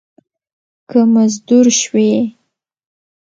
که مزدور شوې